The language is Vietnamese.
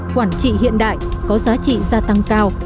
quản trị hiện đại có giá trị gia tăng cao